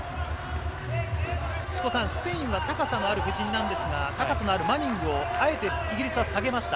スペインは高さがある布陣なんですが、高さのあるマニングをあえてイギリスは下げました。